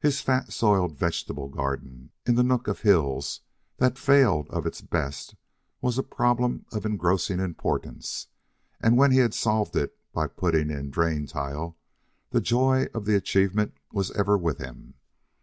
His fat soiled vegetable garden in the nook of hills that failed of its best was a problem of engrossing importance, and when he had solved it by putting in drain tile, the joy of the achievement was ever with him.